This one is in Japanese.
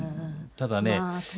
ただね